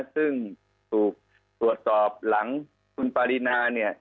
ซึ่งถูกตรวจสอบหลังคุณปารินาเนี่ย